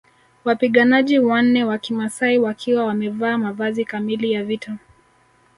Wapiganaji wanne wa kimasai wakiwa wamevaa mavazi kamili ya vita